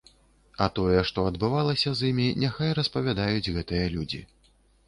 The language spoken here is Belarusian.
А тое, што адбывалася з імі, няхай распавядаюць гэтыя людзі.